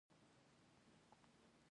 د هغه مکتب پلونه پر دې ځمکه ګرځېدلي دي.